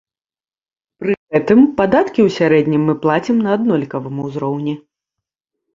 Пры гэтым падаткі ў сярэднім мы плацім на аднолькавым ўзроўні.